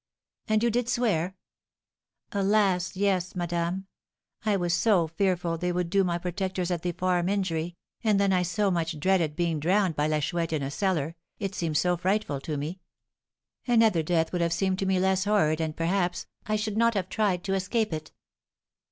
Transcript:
'" "And you did swear?" "Alas, yes, madame! I was so fearful they would do my protectors at the farm an injury, and then I so much dreaded being drowned by La Chouette in a cellar, it seemed so frightful to me; another death would have seemed to me less horrid, and, perhaps, I should not have tried to escape it."